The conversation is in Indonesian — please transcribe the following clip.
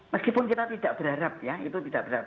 meskipun kita tidak berharap ya itu tidak berhasil